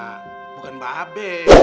bukan mbak abe